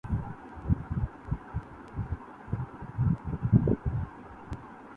جب آنکھ کھل گئی، نہ زیاں تھا نہ سود تھا